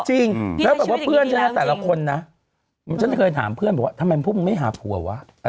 ใช่แล้วเพื่อนกันแต่ละคนนะผมจะถามเพื่อนทำไมพวกมันไม่หาผัววะ